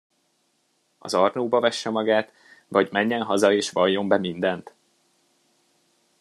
Az Arnóba vesse magát, vagy menjen haza, és valljon be mindent?